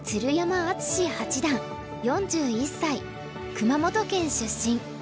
熊本県出身。